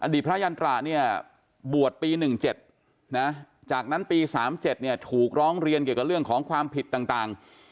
อดีตพระยันตระเนี่ยบวชปีหนึ่งเจ็ดนะจากนั้นปีสามเจ็ดเนี่ยถูกร้องเรียนเกี่ยวกับเรื่องของความผิดต่าง